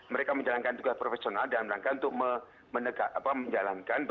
mereka menjalankan tugas profesional dalam langkah untuk menjalankan